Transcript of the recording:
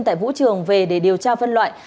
tại vũ trường về để điều tra văn loại